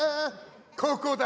ここだ！